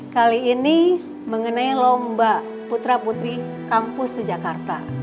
kali ini mengenai lomba putra putri kampus di jakarta